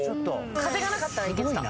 風がなかったらいけてた。